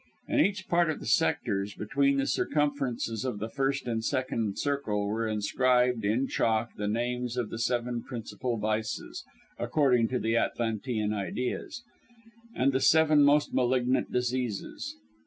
In each part of the sectors, between the circumferences of the first and second circle, were inscribed, in chalk, the names of the seven principal vices (according to Atlantean ideas), and the seven most malignant diseases.